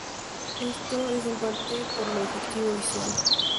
Esto es en parte por el efecto visual.